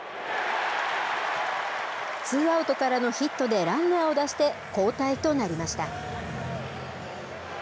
ツーアウトからのヒットでランナーを出して交代となりました。